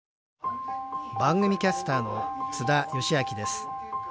番組キャスターの津田喜章です。